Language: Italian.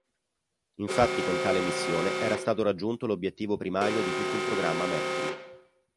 Infatti con tale missione era stato raggiunto l'obiettivo primario di tutto il programma Mercury.